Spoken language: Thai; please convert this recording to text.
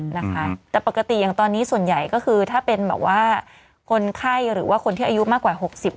นะคะแต่ปกติอย่างตอนนี้ส่วนใหญ่ก็คือถ้าเป็นแบบว่าคนไข้หรือว่าคนที่อายุมากกว่า๖๐